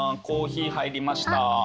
コーヒー入りました。